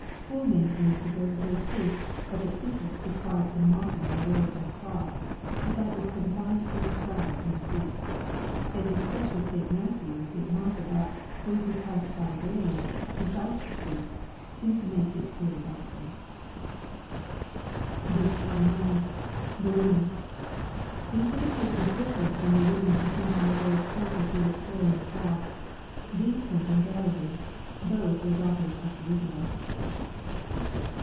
Poole maintains that there is no proof that " the people" took part in mocking our Lord on the cross, but that it was confined to the Scribes and priests. Yet the expression of St. Matthew and St. Mark, about " those who passed by railing," besides the priests^ seems to make his theory doubtful 49. — [Tlie women.] These would appear to be different from the women to whom our Lord spoke as he was carrying the cross. These came from GaUlee. Those were " daughters of Jerusalem."